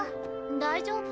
大丈夫？